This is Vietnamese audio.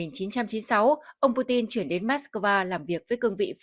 năm một nghìn chín trăm chín mươi sáu ông putin chuyển đến moscow làm việc với cương vật